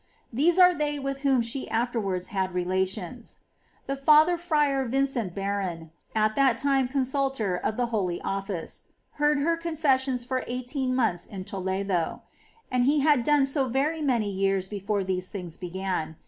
^ These are they with whom she afterwards had relations. The Father Fra Vicente Barron, at that time Consultor of the Holy Office, heard her confessions for eighteen months in Toledo, and he had done so very many years before these things began.